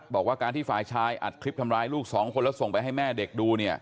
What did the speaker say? บอกว่าการที่ฝ่ายชายอัดคลิปทำร้ายลูกสองคนแล้วส่งไปให้แม่เด็กดู